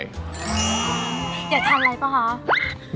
อยากทำอะไรเปล่าฮะ